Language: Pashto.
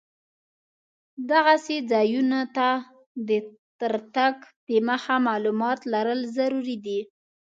دغسې ځایونو ته تر تګ دمخه معلومات لرل ضرور دي.